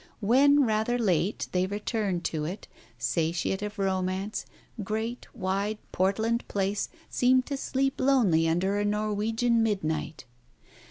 When rather late, they returned to it, satiate of romance, great, wide Portland Place seemed to sleep lonely under a Norwegian mid night.